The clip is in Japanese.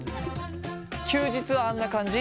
休日はあんな感じ？